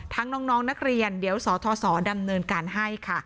น้องนักเรียนเดี๋ยวสทศดำเนินการให้ค่ะ